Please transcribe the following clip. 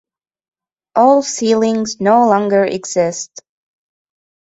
All ceilings no longer exist.